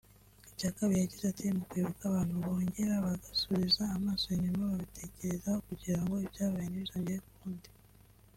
Icya kabiri yagize ati “Mu kwibuka abantu bongera bagasubiza amaso inyuma bakitekerezaho kugira ngo ibyabaye ntibizongere ukundi